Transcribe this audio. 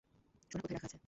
সোনা কোথায় রাখা আছে?